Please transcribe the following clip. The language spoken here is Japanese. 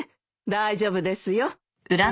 大丈夫ですよ。